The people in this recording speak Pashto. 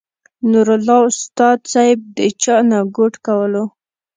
نور الله استاذ صېب د چاے نه ګوټ کولو